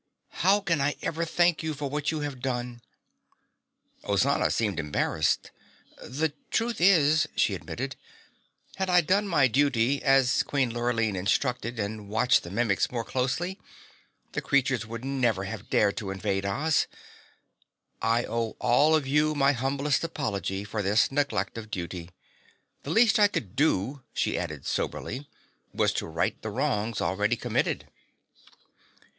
"How can I ever thank you for what you have done?" Ozana seemed embarrassed. "The truth is," she admitted, "had I done my duty, as Queen Lurline instructed, and watched the Mimics more closely, the creatures would never have dared to invade Oz. I owe all of you my humblest apology for this neglect of duty. The least I could do," she added soberly, "was to right the wrongs already committed."